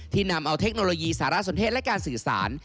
นำเอาเทคโนโลยีสารสนเทศและการสื่อสาร